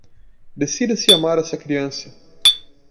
Decida-se amar essa criança